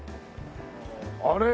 あれ？